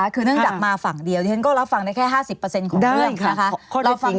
เนื่องจากมาฝั่งเดียวที่เล่นรับฟังได้แค่๕๐ของเรื่อง